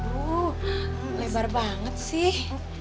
bu lebar banget sih